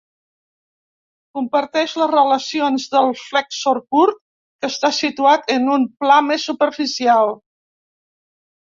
Comparteix les relacions del flexor curt, que està situat en un pla més superficial.